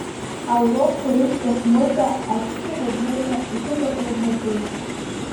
Аурокқәа рышьҭахь Мыта, ашьшьыҳәа днеины, иҭыԥ аҟны днатәеит.